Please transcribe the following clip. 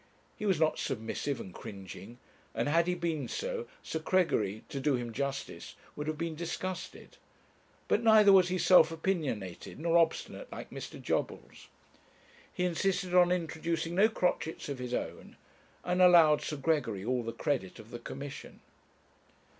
He was not submissive and cringing; and had he been so, Sir Gregory, to do him justice, would have been disgusted; but neither was he self opinionated nor obstinate like Mr. Jobbles. He insisted on introducing no crotchets of his own, and allowed Sir Gregory all the credit of the Commission.